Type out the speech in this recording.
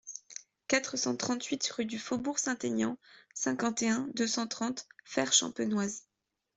quatre cent trente-huit rue du Faubourg Saint-Aignan, cinquante et un, deux cent trente, Fère-Champenoise